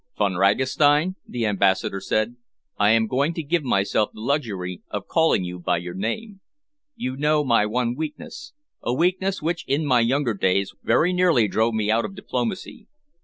"Von Ragastein," the Ambassador said, "I am going to give myself the luxury of calling you by your name. You know my one weakness, a weakness which in my younger days very nearly drove me out of diplomacy.